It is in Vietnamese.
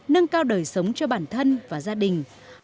nâng cao đời sống cho bản thân và gia đình